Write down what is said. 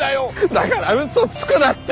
だから嘘つくなって！